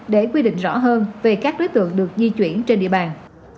để quy định rõ hơn về các đối tượng được di chuyển trên địa bàn